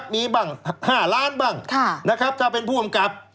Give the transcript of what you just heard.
มีบ้าง๕ล้านบ้างนะครับถ้าเป็นผู้กำกับ